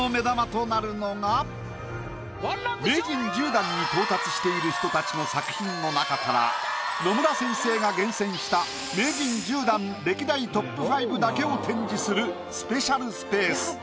名人１０段に到達している人たちの作品の中から野村先生が厳選した名人１０段歴代ＴＯＰ５だけを展示するスペシャルスペース。